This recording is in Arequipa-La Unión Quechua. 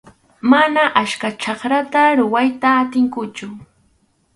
Mana achka chakrata rurayta atinkuchu.